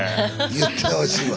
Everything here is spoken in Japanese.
言ってほしいわ。